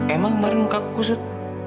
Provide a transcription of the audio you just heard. emang kemarin muka kusut